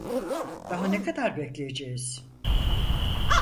Daha ne kadar bekleyeceğiz?